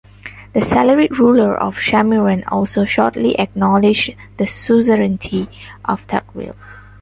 The Sallarid ruler of Shamiran also shortly acknowledged the suzerianty of Tughril.